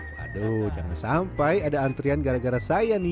waduh jangan sampai ada antrian gara gara saya nih